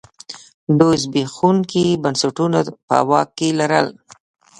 دوی زبېښونکي بنسټونه په واک کې لرل.